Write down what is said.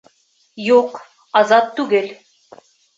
Юҡ, Азат түгел